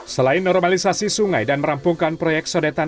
selain normalisasi sungai dan merampungkan proyek sedetan kali ciliwung